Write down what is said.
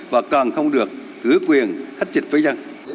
và còn không được gửi quyền hát trịch với dân